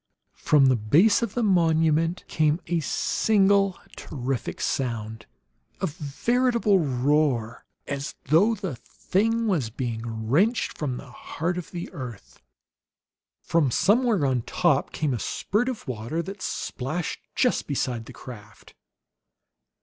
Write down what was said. From the base of the monument came a single terrific sound, a veritable roar, as though the thing was being wrenched from the heart of the earth. From somewhere on top came a spurt of water that splashed just beside the craft.